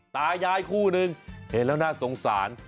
ตายายคู่หนึ่งเห็นแล้วน่าสงสาร